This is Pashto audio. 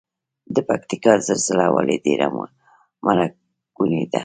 د پکتیکا زلزله ولې ډیره مرګونې وه؟